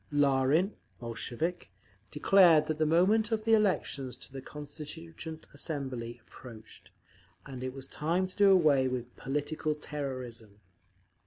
_ Larin, Bolshevik, declared that the moment of elections to the Constituent Assembly approached, and it was time to do away with "political terrorism."